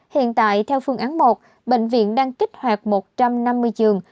hiện tại theo phương án một bệnh viện đang kích hoạt một trăm năm mươi giường